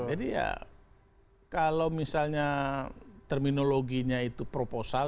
jadi ya kalau misalnya terminologinya itu proposal